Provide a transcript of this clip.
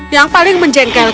yang paling menjengkelkan